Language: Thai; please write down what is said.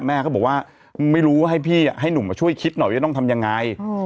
แม่ก็บอกว่าไม่รู้ว่าให้พี่ให้หนุ่มมาช่วยคิดหน่อยว่าต้องทำยังไง